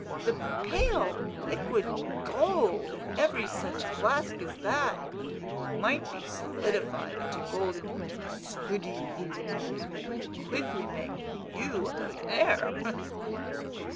The pale, liquid gold, in every such flask as that, might be solidified into golden scudi, and would quickly make you a millionaire!"